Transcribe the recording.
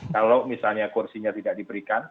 kalau misalnya kursinya tidak diberikan